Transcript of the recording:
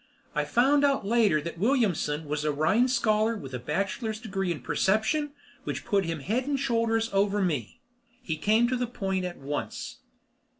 I found out later that Williamson was a Rhine Scholar with a Bachelor's Degree in Perception, which put him head and shoulders over me. He came to the point at once.